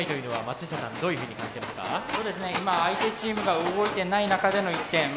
今相手チームが動いてない中での１点。